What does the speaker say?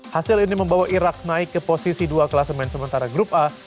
hasil ini membawa irak naik ke posisi dua kelas main sementara grup a